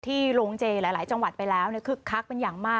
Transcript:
โรงเจหลายจังหวัดไปแล้วคึกคักเป็นอย่างมาก